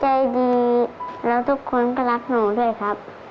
ใจดีแล้วทุกคนก็รักหนูด้วยครับ